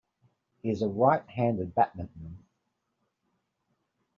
He is a right-handed batman.